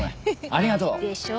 ありがとう！でしょう？